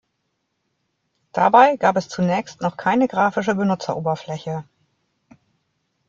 Dabei gab es zunächst noch keine grafische Benutzeroberfläche.